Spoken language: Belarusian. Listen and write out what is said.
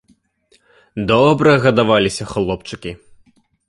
Добра гадаваліся хлопчыкі.